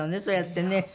そうやってね。